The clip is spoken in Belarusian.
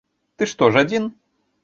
Ты што ж адзін?